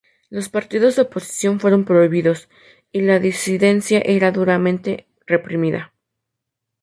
Los partidos de oposición fueron prohibidos, y la disidencia era duramente reprimida.